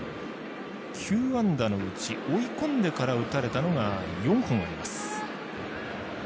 ９安打のうち追い込んでから打たれたのが４本あります。